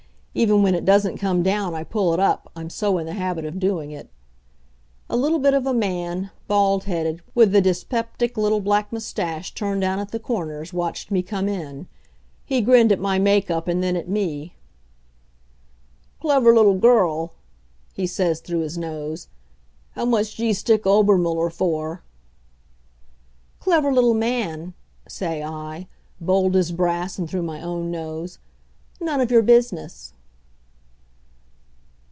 Even when it doesn't come down I pull it up, I'm so in the habit of doing it. A little bit of a man, bald headed, with a dyspeptic little black mustache turned down at the corners, watched me come in. He grinned at my make up, and then at me. "Clever little girl," he says through his nose. "How much do you stick Obermuller for?" "Clever little man," say I, bold as brass and through my own nose; "none of your business."